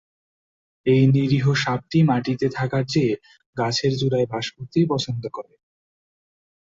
এই নিরীহ সাপটি মাটিতে থাকার চেয়ে গাছের চূড়ায় বাস করতেই পছন্দ করে।